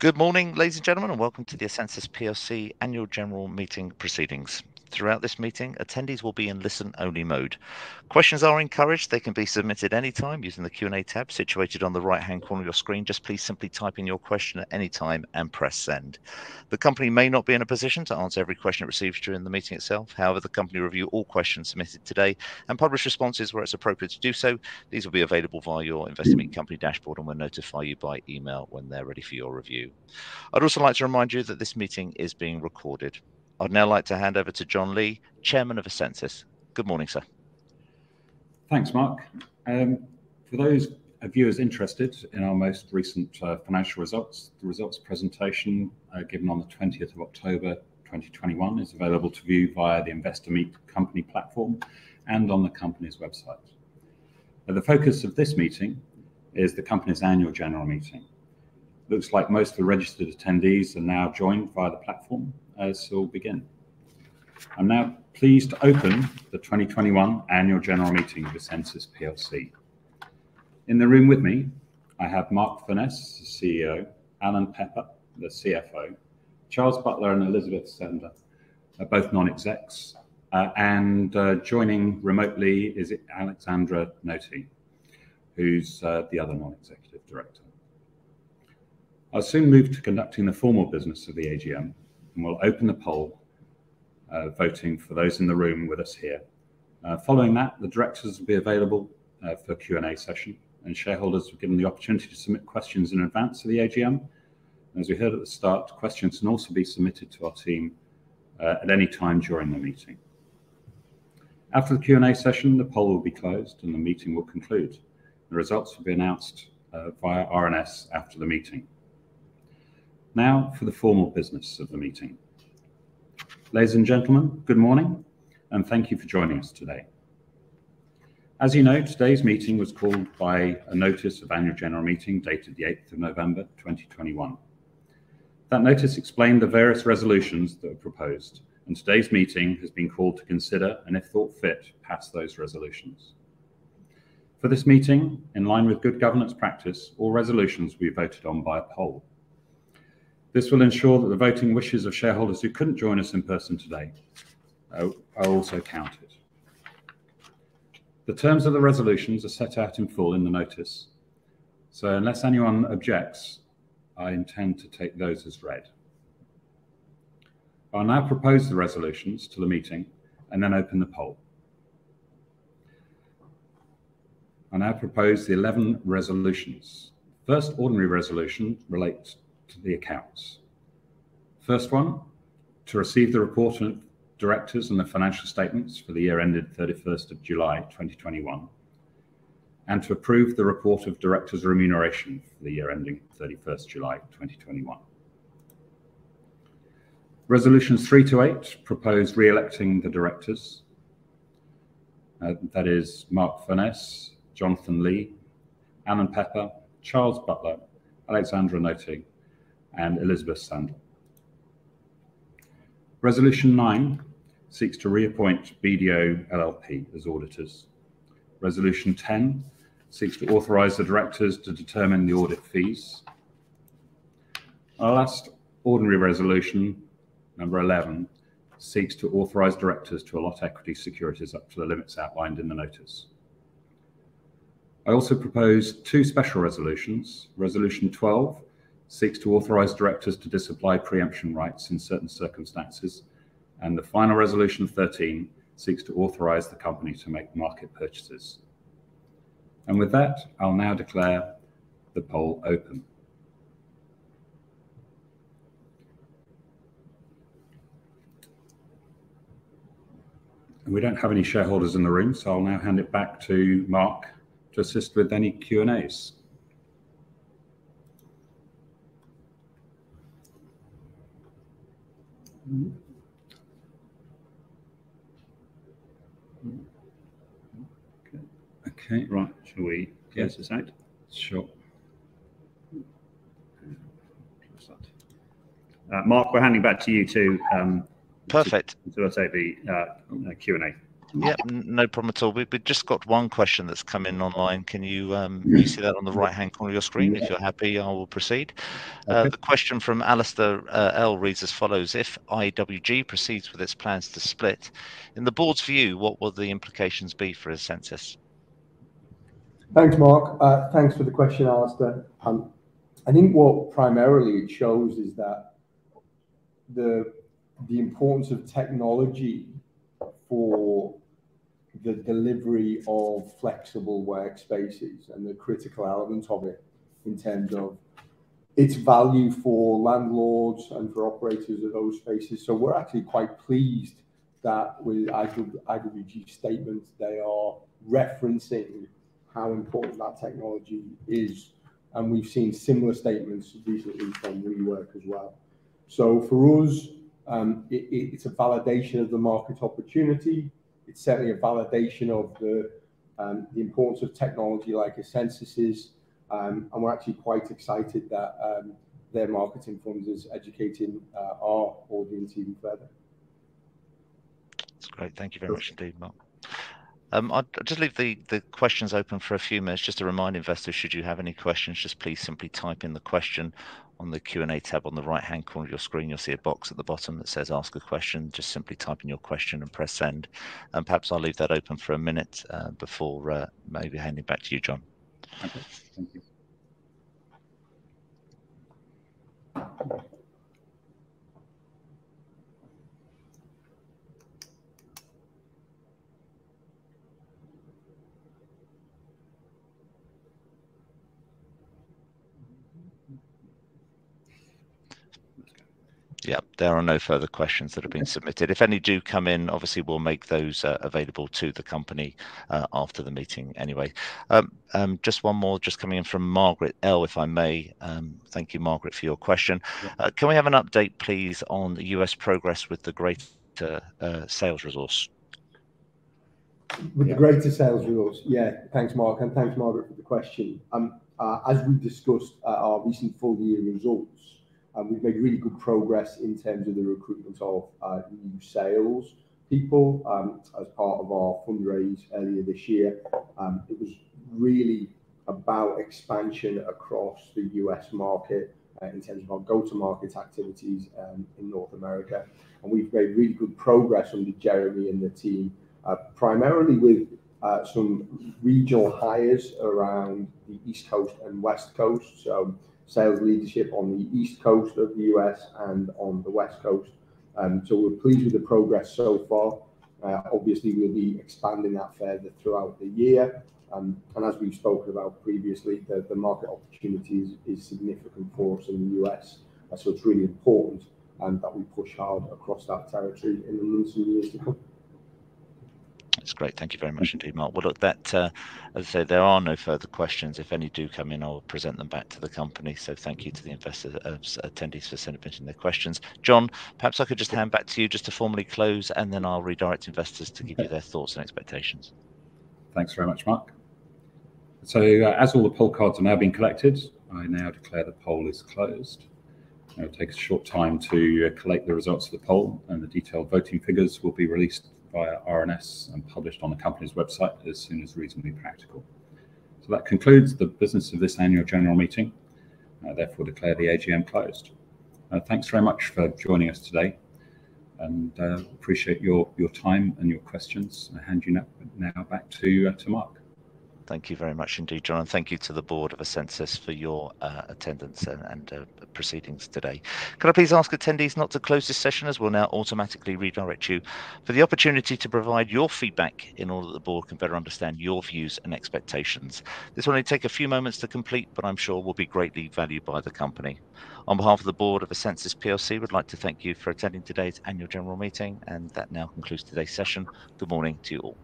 Good morning, ladies and gentlemen, and welcome to the essensys plc annual general meeting proceedings. Throughout this meeting, attendees will be in listen-only mode. Questions are encouraged. They can be submitted anytime using the Q&A tab situated on the right-hand corner of your screen. Just please simply type in your question at any time and press send. The company may not be in a position to answer every question it receives during the meeting itself. However, the company reviews all questions submitted today and publish responses where it's appropriate to do so. These will be available via your Investor Meet Company dashboard, and we'll notify you by email when they're ready for your review. I'd also like to remind you that this meeting is being recorded. I'd now like to hand over to Jon Lee, Chairman of essensys. Good morning, sir. Thanks, Mark. For those of you as interested in our most recent financial results, the results presentation given on the twentieth of October is available to view via the Investor Meet Company platform and on the company's website. The focus of this meeting is the company's annual general meeting. Looks like most of the registered attendees are now joined via the platform, and so we begin. I'm now pleased to open the 2021 annual general meeting of essensys plc. In the room with me, I have Mark Furness, the CEO, Alan Pepper, the CFO, Charles Butler and Elizabeth Sandler are both non-execs. And joining remotely is Alexandra Notay, who's the other non-executive director. I'll soon move to conducting the formal business of the AGM, and we'll open the poll voting for those in the room with us here. Following that, the directors will be available for Q&A session, and shareholders will be given the opportunity to submit questions in advance of the AGM. As we heard at the start, questions can also be submitted to our team at any time during the meeting. After the Q&A session, the poll will be closed, and the meeting will conclude. The results will be announced via RNS after the meeting. Now for the formal business of the meeting. Ladies and gentlemen, good morning, and thank you for joining us today. As you know, today's meeting was called by a notice of annual general meeting dated the 8th of November 2021. That notice explained the various resolutions that are proposed, and today's meeting has been called to consider, and if thought fit, pass those resolutions. For this meeting, in line with good governance practice, all resolutions will be voted on via poll. This will ensure that the voting wishes of shareholders who couldn't join us in person today are also counted. The terms of the resolutions are set out in full in the notice. Unless anyone objects, I intend to take those as read. I'll now propose the resolutions to the meeting and then open the poll. I now propose the 11 resolutions. First ordinary resolution relates to the accounts. First one, to receive the report of directors and the financial statements for the year ended 31st July 2021, and to approve the report of directors remuneration for the year ending 31st July 2021. Resolutions three to eight propose re-electing the directors. That is Mark Furness, Jonathan Lee, Alan Pepper, Charles Butler, Alexandra Notay, and Elizabeth Sandler. Resolution nine seeks to reappoint BDO LLP as auditors. Resolution 10 seeks to authorize the directors to determine the audit fees. Our last ordinary resolution, number 11, seeks to authorize directors to allot equity securities up to the limits outlined in the notice. I also propose two special resolutions. Resolution 12 seeks to authorize directors to disapply pre-emption rights in certain circumstances, and the final resolution 13 seeks to authorize the company to make market purchases. With that, I'll now declare the poll open. We don't have any shareholders in the room, so I'll now hand it back to Mark to assist with any Q&As. Okay. Okay. Right. Shall we close this out? Sure. Close that. Mark, we're handing back to you to take over the Q&A. Yeah. No problem at all. We've just got one question that's come in online. Can you see that on the right-hand corner of your screen? Yeah. If you're happy, I will proceed. Okay. The question from Alistair L reads as follows: If IWG proceeds with its plans to split, in the board's view, what will the implications be for essensys? Thanks, Mark. Thanks for the question, Alistair. I think what primarily it shows is that the importance of technology for the delivery of flexible workspaces and the critical element of it in terms of its value for landlords and for operators of those spaces. We're actually quite pleased that with IWG statements, they are referencing how important that technology is, and we've seen similar statements recently from WeWork as well. For us, it's a validation of the market opportunity. It's certainly a validation of the importance of technology like essensys is. We're actually quite excited that their marketing firm is educating our audience even further. That's great. Thank you very much indeed, Lee. I'll just leave the questions open for a few minutes just to remind investors should you have any questions, just please simply type in the question on the Q&A tab on the right-hand corner of your screen. You'll see a box at the bottom that says ask a question. Just simply type in your question and press send. Perhaps I'll leave that open for a minute before maybe handing back to you, Jon. Okay. Thank you. Yeah. There are no further questions that have been submitted. If any do come in, obviously, we'll make those available to the company after the meeting anyway. Just one more just coming in from Margaret L, if I may. Thank you, Margaret, for your question. Yeah. Can we have an update, please, on the U.S. progress with the greater sales resource? With the greater sales resource. Yeah. Thanks, Mark, and thanks Margaret L for the question. As we discussed at our recent full year results, we've made really good progress in terms of the recruitment of new sales people, as part of our fundraise earlier this year. It was really about expansion across the U.S. market, in terms of our go-to-market activities, in North America. We've made really good progress under Jeremy and the team, primarily with some regional hires around the East Coast and West Coast. Sales leadership on the East Coast of the U.S. and on the West Coast. We're pleased with the progress so far. Obviously we'll be expanding that further throughout the year. As we've spoken about previously, the market opportunity is significant for us in the U.S. It's really important that we push hard across that territory in the months and years to come. That's great. Thank you very much indeed, Lee. Well, look, as I say, there are no further questions. If any do come in, I'll present them back to the company. Thank you to the investor attendees for submitting their questions. Jon, perhaps I could just hand back to you just to formally close, and then I'll redirect to investors to give you their thoughts and expectations. Thanks very much, Mark. As all the poll cards have now been collected, I now declare the poll is closed. Now it takes a short time to collate the results of the poll, and the detailed voting figures will be released via RNS and published on the company's website as soon as reasonably practical. That concludes the business of this annual general meeting. I therefore declare the AGM closed. Thanks very much for joining us today, and appreciate your time and your questions. I hand you now back to Mark. Thank you very much indeed, Jon. Thank you to the board of essensys for your attendance and proceedings today. Could I please ask attendees not to close this session as we'll now automatically redirect you for the opportunity to provide your feedback in order that the board can better understand your views and expectations. This will only take a few moments to complete, but I'm sure will be greatly valued by the company. On behalf of the board of essensys plc, we'd like to thank you for attending today's annual general meeting, and that now concludes today's session. Good morning to you all.